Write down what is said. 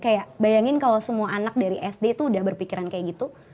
kayak bayangin kalau semua anak dari sd tuh udah berpikiran kayak gitu